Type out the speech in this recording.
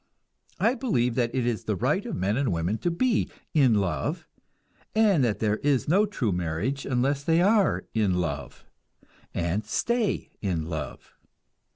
I believe that it is the right of men and women to be "in love," and that there is no true marriage unless they are "in love," and stay "in love."